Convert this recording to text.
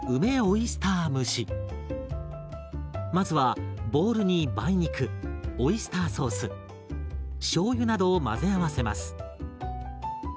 まずはボウルに梅肉オイスターソースしょうゆなどを混ぜ合わせます。